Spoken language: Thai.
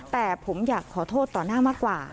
แต่ผมอยากขอโทษต่อหน้ามากกว่า